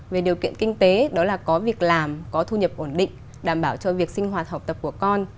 về điều kiện kinh tế đó là có việc làm có thu nhập ổn định đảm bảo cho việc sinh hoạt học tập của con